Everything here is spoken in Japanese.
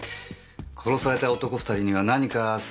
殺された男２人には何か接点があった。